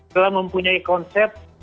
telah mempunyai konsep